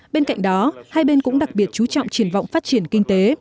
bên cạnh đó hai bên cũng đặc biệt chú trọng triển vọng phát triển kinh tế